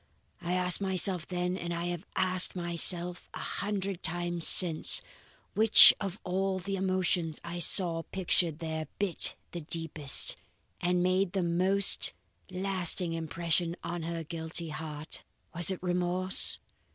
I asked myself then, and I have asked myself a hundred times since, which of all the emotions I saw pictured there bit the deepest, and made the most lasting impression on her guilty heart? Was it remorse?